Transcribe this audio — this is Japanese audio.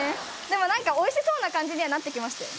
でも何かおいしそうな感じにはなって来ましたよ。